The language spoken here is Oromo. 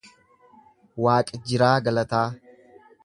Waaqjiraa Galataa